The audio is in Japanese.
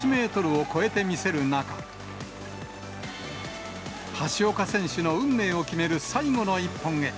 ほかの選手が続々と８メートルを超えて見せる中、橋岡選手の運命を決める最後の１本へ。